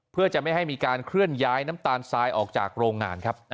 เพื่อจะไม่ให้มีการเคลื่อนย้ายน้ำตาลทรายออกจากโรงงานครับ